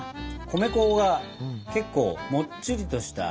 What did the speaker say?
米粉が結構もっちりとした。